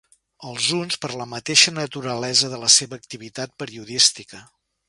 Els uns per la mateixa naturalesa de la seva activitat periodística.